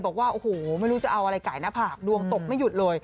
บอกว่าโอ้โหไม่รู้จะเอาอะไรไก่หน้าผากดวงตกไม่หยุดเลย